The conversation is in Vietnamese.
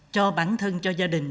cho bản thân cho gia đình